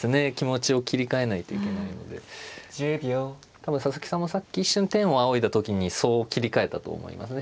多分佐々木さんもさっき一瞬天を仰いだ時にそう切り替えたと思いますね。